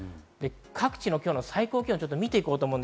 各地の今日の最高気温です。